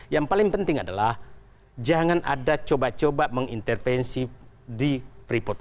yang paling penting adalah jangan ada coba coba mengintervensi di freeport